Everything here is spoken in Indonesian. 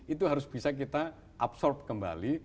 itu harus bisa kita absorb kembali